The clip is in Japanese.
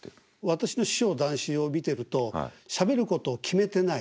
私の師匠談志を見てるとしゃべることを決めてない